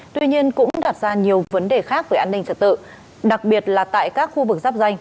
tuy nhiên cũng đặt ra nhiều vấn đề khác về an ninh trật tự đặc biệt là tại các khu vực giáp danh